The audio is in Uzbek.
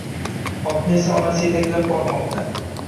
Otni esa onasi etaklab bormoqda